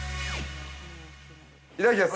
◆いただきます。